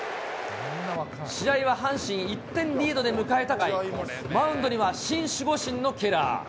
試合は阪神１点リードで迎えた９回、マウンドには新守護神のケラー。